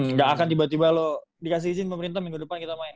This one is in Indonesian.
tidak akan tiba tiba lo dikasih izin pemerintah minggu depan kita main